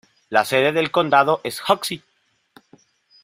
La sede del condado es Hoxie.